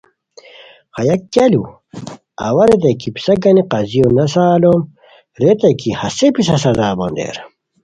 یہ کیہ لوُ! اوا ریتائے کی پِسہ گانی قاضیو نسہ الوم ریتائے کی ہسے پِسہ سزا بندیر